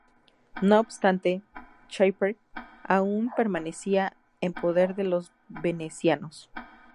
No obstante, Chipre aún permanecía en poder de los venecianos.